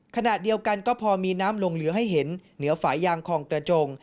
ขณะเดียวกันก็พอมีน้ำลงเหลือให้เห็นเหนือฝายางคลองกระจง